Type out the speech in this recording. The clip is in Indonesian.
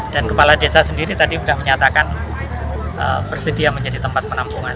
dan kepala desa sendiri tadi sudah menyatakan bersedia menjadi tempat penampungan